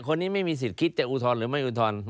คนนี้ไม่มีสิทธิ์คิดแต่อูทรอนหรือไม่อูทรอน